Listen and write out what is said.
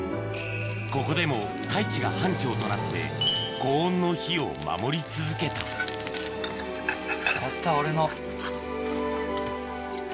ここでも太一が班長となって高温の火を守り続けたあった俺の。